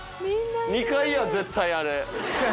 ２階や絶対あれ。